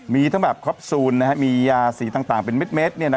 มีทั้งแบบคอปซูลมียาสีต่างเป็นเม็ด